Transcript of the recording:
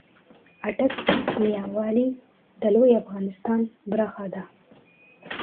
آټک ، ميان والي د لويې افغانستان برخه دې